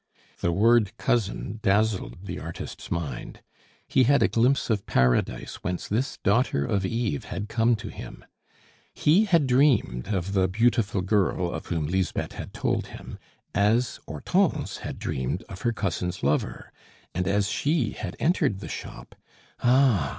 The word cousin dazzled the artist's mind; he had a glimpse of Paradise whence this daughter of Eve had come to him. He had dreamed of the beautiful girl of whom Lisbeth had told him, as Hortense had dreamed of her cousin's lover; and, as she had entered the shop "Ah!"